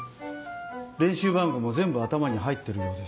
練習番号も全部頭に入ってるようです。